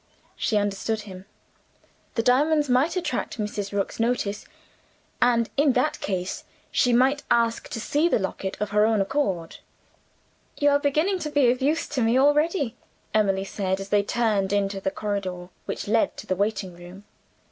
She understood him. The diamonds might attract Mrs. Rook's notice; and in that case, she might ask to see the locket of her own accord. "You are beginning to be of use to me, already," Emily said, as they turned into the corridor which led to the waiting room.